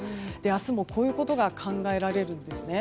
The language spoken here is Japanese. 明日もこういうことが考えられるんですね。